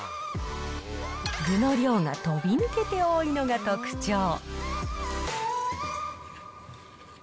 具の量が飛びぬけて多いのが特徴。